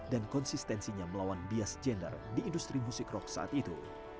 dan konsistensinya melawan bias gender di industri musik rock saat itu